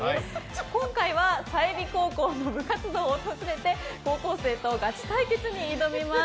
今回は済美高校の部活動を訪れて高校生とガチ対決に挑みます。